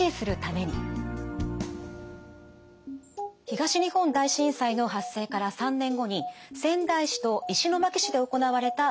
東日本大震災の発生から３年後に仙台市と石巻市で行われた調査の結果です。